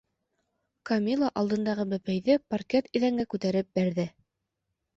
- Камилла алдындағы «бәпәй»ҙе паркет иҙәнгә күтәреп бәрҙе.